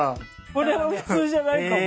これは普通じゃないかも。